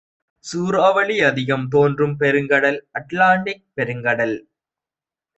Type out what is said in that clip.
சூறாவளி அதிகம் தோன்றும் பெருங்கடல் அட்லாண்டிக் பெருங்கடல்